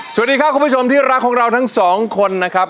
สวัสดีครับคุณผู้ชมที่รักของเราทั้งสองคนนะครับ